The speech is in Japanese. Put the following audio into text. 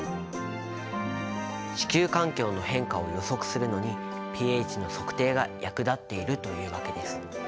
地球環境の変化を予測するのにｐＨの測定が役立っているというわけです。